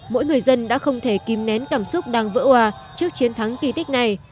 mỗi người dân đã không thể kìm nén cảm xúc đang vỡ hòa trước chiến thắng kỳ tích này